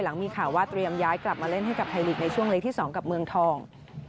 หลังมีข่าวว่าเตรียมย้ายกลับมาเล่นให้กับไทยลีกในช่วงเล็กที่๒กับเมืองทอง